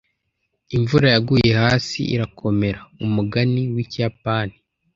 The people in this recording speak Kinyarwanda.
imvura yaguye hasi irakomera (umugani wikiyapani)